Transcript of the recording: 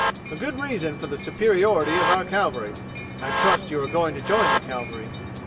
A good reason for the superiority of our cavalry! I trust you are going to join the cavalry."